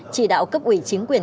chỉ đạo cấp ủy chính quyền